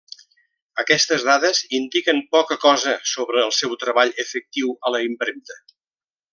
Aquestes dades indiquen poca cosa sobre el seu treball efectiu a la impremta.